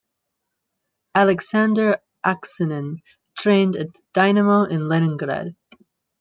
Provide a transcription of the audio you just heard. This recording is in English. Aleksandr Aksinin trained at Dynamo in Leningrad.